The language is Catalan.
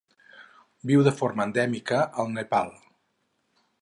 Viu de forma endèmica al Nepal.